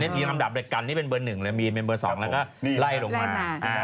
เรียนคำดับดักกันนี่เป็นเบอร์๑แล้วมีเบอร์๒แล้วก็ไล่ลงมา